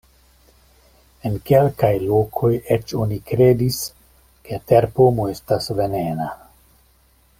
En kelkaj lokoj eĉ oni kredis, ke terpomo estas venena.